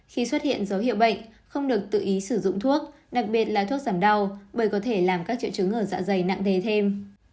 khi xuất hiện dấu hiệu bệnh không được tự ý sử dụng thuốc đặc biệt là thuốc giảm đau bởi có thể làm các triệu chứng ở dạ dày nặng nề thêm